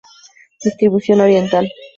Distribución oriental.